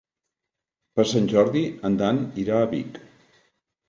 Per Sant Jordi en Dan irà a Vic.